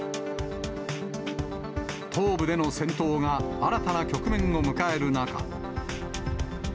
東部での戦闘が新たな局面を迎える中。